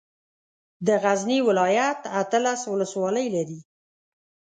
د غزني ولايت اتلس ولسوالۍ لري.